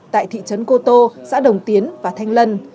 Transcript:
tại thị trấn cô tô xã đồng tiến và thanh lân